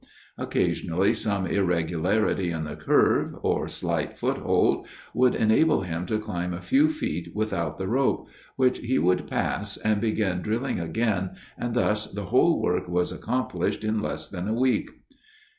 Occasionally some irregularity in the curve, or slight foothold, would enable him to climb a few feet without the rope, which he would pass and begin drilling again, and thus the whole work was accomplished in less than a week.